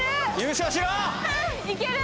いける！